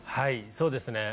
そうですね。